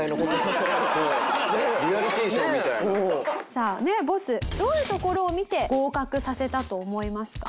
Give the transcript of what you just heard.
さあボスどういうところを見て合格させたと思いますか？